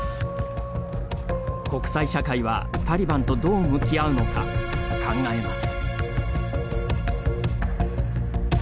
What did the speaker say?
国際社会はタリバンとどう向き合うのか考えます。